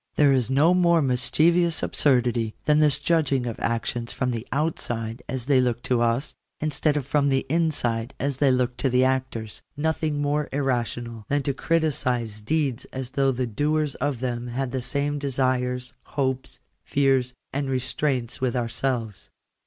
There is no more (mischievous absurdity than this judging of actions from the \outside as they look to us, instead of from the inside as they look to the actors; nothing more irrational than to criticize deeds as though the doers of them had the same desires, hopes, fears, and restraints with ourselves.